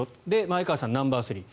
前川さん、ナンバースリー